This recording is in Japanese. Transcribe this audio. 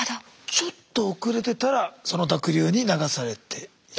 ちょっと遅れてたらその濁流に流されていた。